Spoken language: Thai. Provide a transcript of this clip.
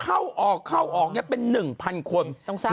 เข้าออกเข้าออกเป็น๑๐๐คน